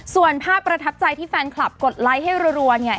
ส่วนภาพประทับใจที่แฟนคลับกดไลก์ให้รอด